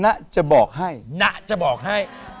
น่าจะบอกให้เป็นการที่จะมีสโลแกนของเขา